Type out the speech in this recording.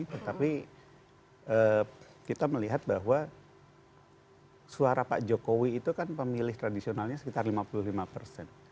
tetapi kita melihat bahwa suara pak jokowi itu kan pemilih tradisionalnya sekitar lima puluh lima persen